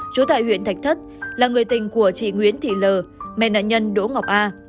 chủ tại huyện thạch thất là người tình của chị nguyễn thị lờ mẹ nạn nhân đỗ ngọc a